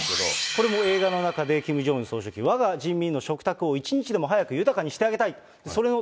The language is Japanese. これも映画の中でキム・ジョンウン総書記、わが人民の食卓を一日でも早く豊かにしてあげたい。